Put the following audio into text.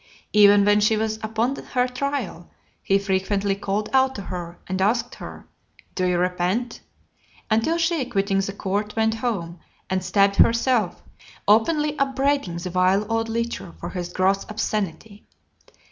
Even when she was upon her trial, he frequently called out to her, and asked her, "Do you repent?" until she, quitting the court, went home, and stabbed herself; openly upbraiding the vile old lecher for his gross obscenity .